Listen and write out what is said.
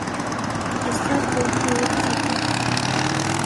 ئێستا کەوتووە وەک سیپاڵ